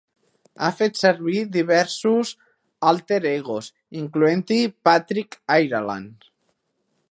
Ha fet servir diversos 'alter egos', incloent-hi Patrick Ireland.